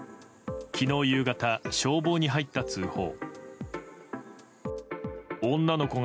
昨日夕方、消防に入った通報。